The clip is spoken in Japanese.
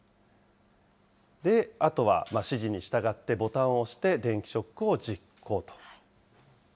あとは指示に従ってボタンを押して、電気ショックを実行と。